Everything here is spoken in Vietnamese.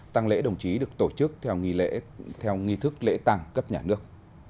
tăng lễ đồng chí được tổ chức theo nghi thức lễ tăng cấp nhà nước